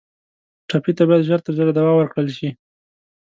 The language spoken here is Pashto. ټپي ته باید ژر تر ژره دوا ورکړل شي.